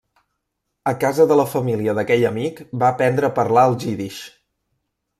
A casa de la família d'aquell amic va aprendre a parlar el jiddisch.